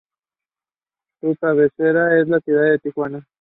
Su cabecera es la ciudad de Tijuana.